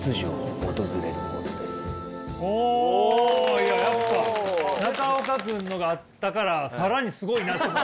いややっぱ中岡君のがあったから更にすごいなと。